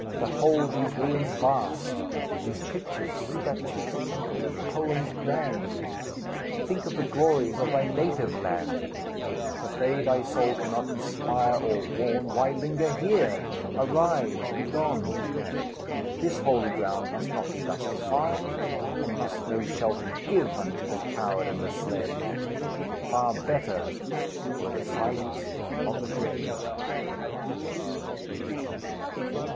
Behold these ruins vast, These pictures, statues, temples, poems grand! Think of the glories of thy native land! If they thy soul cannot inspire or warn, Why linger here? Arise! Begone! This holy ground must not be thus defiled, And must no shelter give Unto the coward and the slave! Far better were the silence of the grave!"